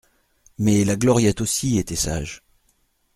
Mais la Gloriette aussi était sage.